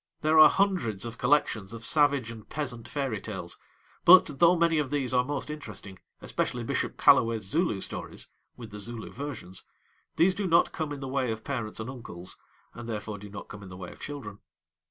There are hundreds of collections of savage and peasant fairy tales, but, though many of these are most interesting, especially Bishop Callaway's Zulu stories (with the Zulu versions), these do not come in the way of parents and uncles, and therefore do not come in the way of children.